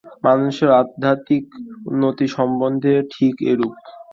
মানুষের আধ্যাত্মিক উন্নতি সম্বন্ধেও ঠিক এইরূপ।